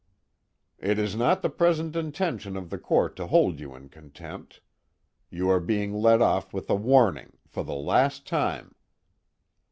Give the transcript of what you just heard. _ "It is not the present intention of the Court to hold you in contempt. You are being let off with a warning, for the last time.